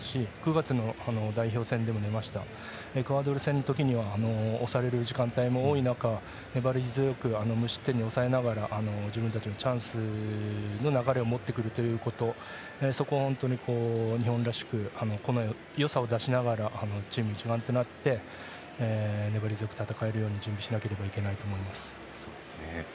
９月の代表戦でもエクアドル戦には押される時間帯も多い中粘り強く自分たちのチャンスの流れを持ってくるということを本当に日本らしく、個のよさを出しながらチーム一丸となって粘り強く戦えるように準備しないといけないと思います。